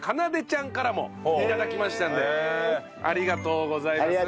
ちゃんからも頂きましたのでありがとうございます。